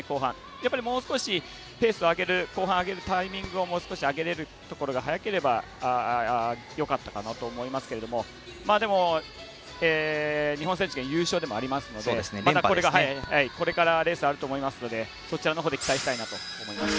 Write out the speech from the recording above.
やっぱりもう少しペースを後半もう少し上げられるところが早ければよかったかなと思いますけれどもでも、日本選手権優勝でもありますのでまたこれからレースがあると思いますのでそちらのほうで期待したいなと思います。